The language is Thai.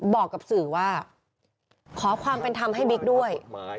บอกกับสื่อว่าขอความเป็นธรรมให้บิ๊กด้วย